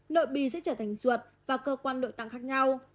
nội bị sẽ trở thành ruột và cơ quan đội tăng khác nhau